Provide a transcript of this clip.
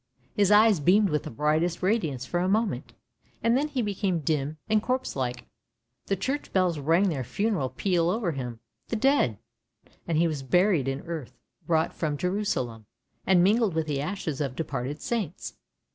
" His eyes beamed with the brightest radiance for a moment, and then became dim and corpse like. The church bells rang their funeral peal over him — the dead; and he was buried in earth brought from Jerusalem, and mingled with the ashes of departed saints.